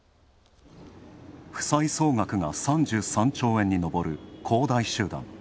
負債総額が３３兆円に上る恒大集団。